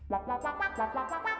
lalu siapa yang menang